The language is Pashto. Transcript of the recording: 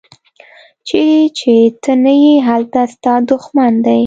چیرې چې ته نه یې هلته ستا دوښمن دی.